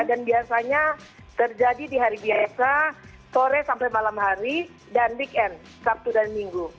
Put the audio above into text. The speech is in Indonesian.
dan biasanya terjadi di hari biasa sore sampai malam hari dan weekend sabtu dan minggu